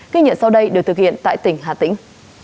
ghi nhận sau đây được thực hiện tại tỉnh hà tĩnh